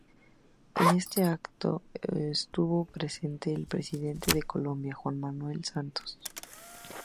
En el acto, estuvo presente el presidente de Colombia Juan Manuel Santos.